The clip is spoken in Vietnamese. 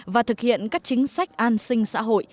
và thực hiện các chính sách an sinh xã hội